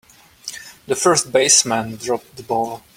The first baseman dropped the ball.